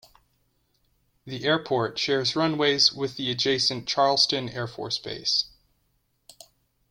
The airport shares runways with the adjacent Charleston Air Force Base.